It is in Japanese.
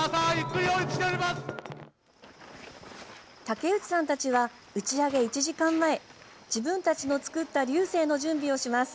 竹内さんたちは打ち上げ１時間前自分たちの作った龍勢の準備をします。